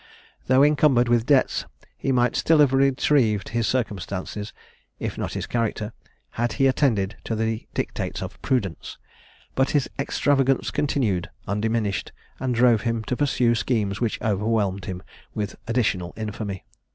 Though encumbered with debts, he might still have retrieved his circumstances, if not his character, had he attended to the dictates of prudence; but his extravagance continued undiminished, and drove him to pursue schemes which overwhelmed him with additional infamy.